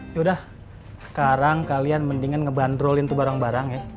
yaudah sekarang kalian mendingan ngebanderolin tuh barang barang ya